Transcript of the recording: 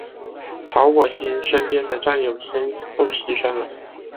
曹火星身边的战友先后牺牲了。